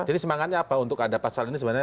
jadi semangatnya apa untuk ada pasal ini